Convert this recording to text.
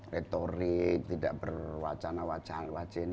retorik tidak berwacana wacana